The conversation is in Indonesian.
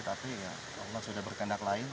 tapi ya allah sudah berkendak lain